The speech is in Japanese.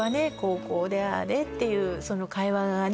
「こうでああで」っていう会話がね